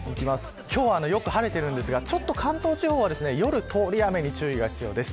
今日はよく晴れているんですが関東地方は夜、通り雨に注意が必要です。